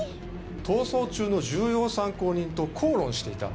逃走中の重要参考人と口論していた。